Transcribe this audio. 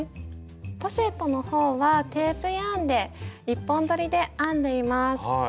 ポシェットのほうはテープヤーンで１本どりで編んでいます。